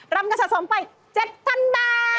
รับเงินสะสมไป๗๐๐๐บาท